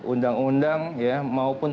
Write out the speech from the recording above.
undang undang ya maupun